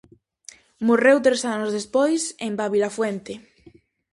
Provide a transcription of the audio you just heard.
Morreu tres anos despois en Babilafuente.